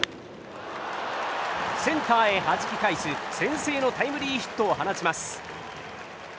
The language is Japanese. センターへはじき返す先制のタイムリーヒットを放ちます。